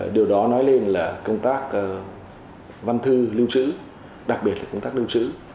điều đó nói lên là công tác văn thư lưu trữ đặc biệt là công tác lưu trữ